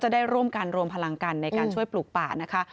ได้ร่วมกันรวมพลังกันในการช่วยปลูกป่านะคะ